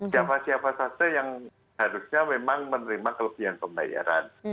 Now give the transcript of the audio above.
siapa siapa saja yang harusnya memang menerima kelebihan pembayaran